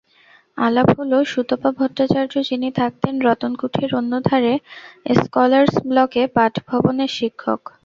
আলাপ হলো সুতপা ভট্টাচার্য্য, যিনি থাকতেন রতনকুঠির অন্যধারে, স্কলার্স ব্লকে, পাঠভবনের শিক্ষক।